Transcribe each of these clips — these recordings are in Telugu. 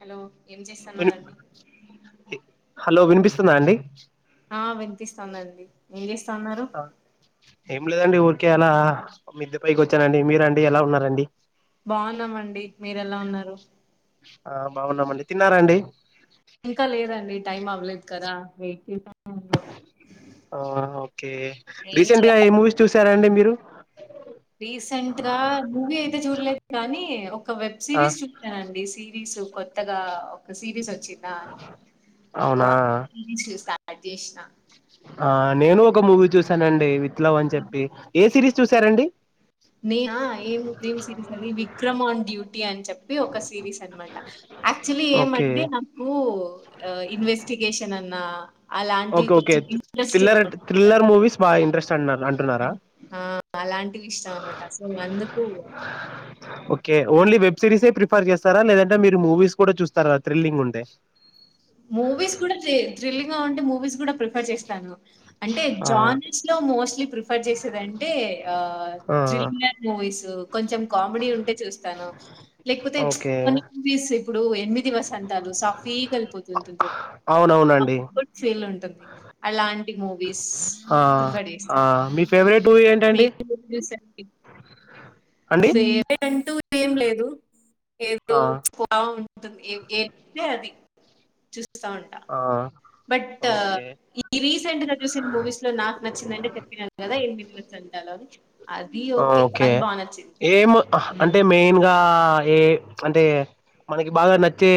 హలో ఏం విన్ చేస్తున్నండి హలో వినిపిస్తుందా అండి వినిపిస్తుందండి ఏం చే ఆ ఏ లేదండి ఊరికే ఎలా మిద్ద పైకి వచ్చానండి. మీరండి ఎలా ఉన్నారండి. బాగున్నామండి మీర ఎలా ఉన్నారు. ఆ బాగున్నామండి తిన్నారాండి ఇంకా లేదండి టైం అవ్వలేదు కదా వెయిట్ చేసా ఓకే ఏం రీసెంట్ చేయ గా ఏ మూవీస్ చూసారా అండి మీరు రీసెంట్ గా మూవీ అయితే చూడలేదు కానీ ఒక వెబ్ ఆ సిరీస్ చూసానండి సిరీస్ కొత్తగా ఒక సిరీస్ వచ్చిందా అవునా అనిరస్ చూస్తాను. అధ్యషణ ఆ నేను ఒక మూవీ చూసానండి విత్లవ్ అని చెప్పి ఏ సిరీస్ చూసారంండి. న ఏం ఏం సరిస్ అది విక్రమ్ ఆన్ డ్యూటీ అని చెప్పి ఒక సిరీస్ అనమాట యాక్చువలీ ఓకే ఏమంటే నాకు ఇన్వెస్టిగషన్ అన్నా అలాంటివి ఓకే ఓకే కొంచెం ఇంట్రెస్టింగ్ థ్రిల్లర్ థ్రిల్లర్ మూవీస్ బాగా ఇంట్రెస్ట్ అంటున్నారు అంటున్నారా ఆ అలాంటివి ఇష్టం అనమాట అసలు అందుకు ఓన్లీ వెబ్ సిరీస్సే ప్రిఫర్ చేస్తారా. లేదంటే మీరు మూవీస్ కూడా చూస్తారా థ్రిల్లింగ్ ఉండే. మూవీస్ కూడా థ్రిల్లింగ్ గా ఉంటే మూవీస్ కూడా ప్రిఫర్ చేస్తాను. అంటే ఆ జానెస్ట్ లో మోస్ట్లీ ప్రిఫర్ చేసేదింటే ఆ త్రిలర్ మూవీ కొంచెం కామెడీ ఉంటే చూస్తాను లేకపోతే ఓకే కొన్ని మూవీస్ ఇప్పుడు ఎనిమిది దిస వసంతాలు సాఫీ అల్పోతు ఉంత జ అవునవునండి. గు ఫీల్ ఉ ఉంటుంది అలాంటి మూవీస్ ప్రిఫర్ ఆ చేస్తాను మీ ఫేవరెట్ మూవీ ఏంటండి అండి? పెవర్ట్ అంటూ ఏం లేదు ఆ! ఏదో ఏ అది చూస్తా ఉంటా ఆ! But okay. ఈ రీసెంట్ గా చూసిన మూవీస్ లో నాకు నచ్చిందంటే చెప్పినాను కదా ఎన్నిమిది వస్ంటాలో ఓకే ఏం హ అంటే మ్మ్. మెయిన్ గా ఏ అంటే మనకి బాగా నచ్చే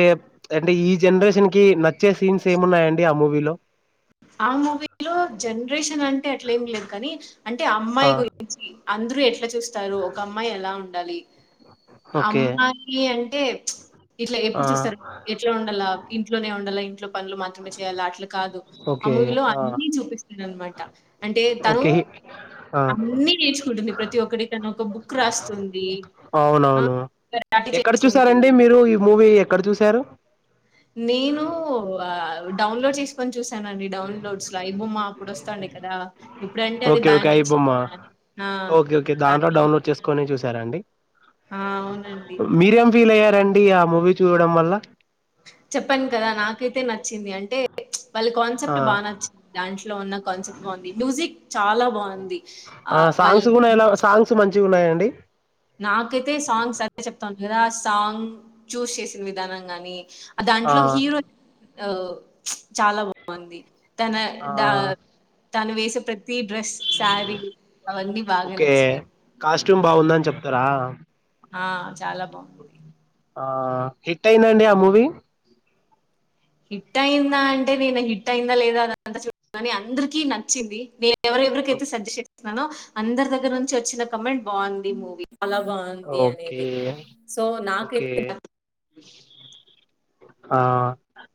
అంటే ఈ జనరేషన్ కి నచ్చే సీన్సేమున్నాయండి ఆ మూవీలో ఆ మూవీలో జనరేషన్ అంటే అట్ల ఏం లేద్ కనీ అంటే ఆ! అమ్మాయి గురించి అందరూ ఎట్లా చూస్తారు ఒక అమ్మాయి ఎలా ఉండాలి ఓకే. అమ్మాయి అంట్ ఎబ్ ఇట్లా ఆ! ఎప్పుడు చూస్తారు ఎట్లా ఉండాల్ల ఇంట్లోనే ఉండాల్ల పనులు మాత్రమే చేయాల అట్లు కాదు ఆ ఓకే. మూవిలో ఆ! అన్ని చూపిస్తారన్నమాట అంటే తను ఓకే. ఆ! అన్ని నేర్చుకుంటుంద్ ప్రతి ఒక్కటి తను ఒక బుక్కు రాస్తుంది ఆ అవునవును. కరాటే ఎక్కడ చేస్తుంది. చూసారండి మీరు ఈ మూవీ ఎక్కడ చూశారు నేను ఆ డౌన్లోడ్ చేసుకొని చూసానండి డౌన్లోడ్స్ లా ఐ బొమ్మ అప్పుడు వోస్ తండే కదా ఇప్పుడంటే అది ఓకే ఓకే బ్యాన్ అయిబొమ్మా చేసినారు. ఆ! ఓకే ఓకే దాంట్లో బ్యాన్ డౌన్లోడ్ చేసుకొని చూస్ సారండి ఆ! అవునండి. మీరేం ఫీల్ అయ్యారండి ఆ మూవీ చూడడం వల్ల చెప్పాన్ కదా నాకైతే నచ్చింది అంటే వాళ్ళు ఆ! కాన్సెప్ట్ బా నచ్చింది దాంట్లో ఉన్న కాన్సెప్ట్ బాగుంది మ్యూజిక్ చాలా బాగుంది ఆ సాంగ్స్ కూడేన సాంగ్స్ మంచిగున్నాయండి నాకైతే సాంగ్స్ అదే చెప్తాను కదా సాంగ్ చూస్ చేసిన విధానం గాని ఆ! దాంట్లో హీరోయిన్ ఆ చాలా బాగుంది తన ఆ! దా తను వేసుక్ తీ డ్రెస్ సారీ అవన్నీ బాగా నచ్చినయి తరా ఆ చాలా బాగుంది ఆ హిట్టయిందండి ఆ మూవీ హిట్టయిందా అంటే నేను హిట్టయిందా లేదా అదంతా చూలే కాని అందరికీ నచ్చింది వే ఎవరెవరికైతే ఓకే. సజ్జెస్ట్ చేస్తున్నానో అందరి దగ్గర్నుంచి వచ్చిన కమెంట్ బాగుంది మూవీ చాలా బాగుంది ఓకే. అనేది సో నాకైతే ఓకే. బా ఆ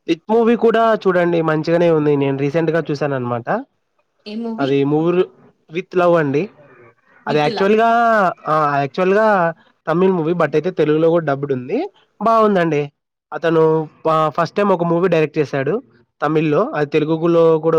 విత్ మూవీ కూడా చూడండి మంచిగానే ఉంది నేను రీసెంట్ గా చూశాను అన్నమాట ఏ మూవి విత్ లవ్ అండి అది లవ్ యాక్చువల్ గా ఆ యాక్చువల్ గా తమిళ్ మూవీ బట్ అయితే తెలుగులో గూడా డబ్బుడు ఉంది బాగుందండి అతను ఫస్ట్ టైం ఒక మూవీ డైరెక్ట్ చేశాడు తమిళ్ లో అది తెలుగుగులో కూడా ఉం